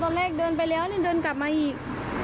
แรกเดินไปแล้วนี่เดินกลับมาอีก